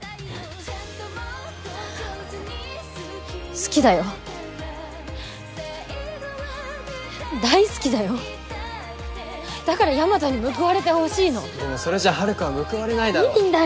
好きだよ大好きだよだから大和に報われてほしいのでもそれじゃ遥は報われないだろいいんだよ